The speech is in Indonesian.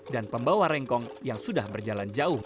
dan pembawa rengkong yang sudah berjalan jauh